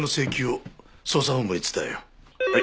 はい。